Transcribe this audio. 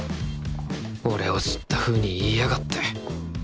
俺を知ったふうに言いやがって。